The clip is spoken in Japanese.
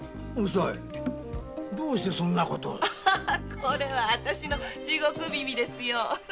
これは私の地獄耳ですよ。